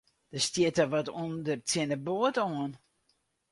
Der stjitte wat ûnder tsjin de boat oan.